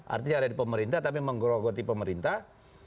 artinya ada di pemerintah tapi menggerogoti pemerintah